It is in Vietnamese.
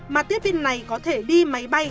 mà tiếp viên này có thể đi máy bay